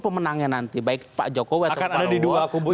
pemenangnya nanti baik pak jokowi atau pak prabowo